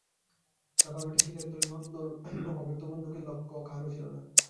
ধাপার মাঠে শিকারির দলে নন্দর মতো অব্যর্থ বন্দুকের লক্ষ কাহারো ছিল না।